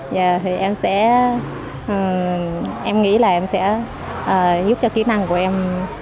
và em sẽ em nghĩ là em sẽ giúp cho kỹ năng của em